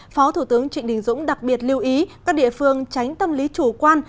phó thủ tướng trịnh đình dũng đặc biệt lưu ý các địa phương tránh tâm lý chủ quan